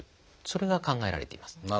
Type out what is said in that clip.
それが考えられています。